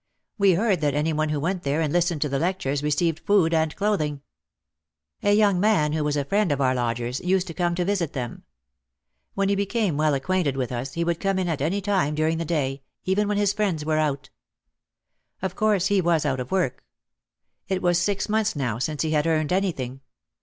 We heard that any one who went there and listened to the lectures received food and cloth ing. A young man, who was a friend of our lodgers, used to come to visit them. When he became well acquainted with us he would come in at any time during the day, even when his friends were out. Of course he was out of work. It was six months now since he had earned anything.